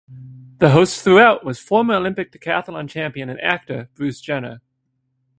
The host throughout was former Olympic decathlon champion and actor Bruce Jenner.